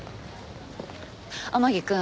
天樹くん。